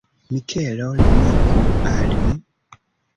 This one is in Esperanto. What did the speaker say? Mikelo, lumigu al mi.